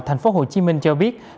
thành phố hồ chí minh cho biết